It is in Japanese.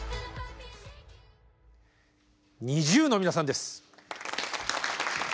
ＮｉｚｉＵの皆さんです。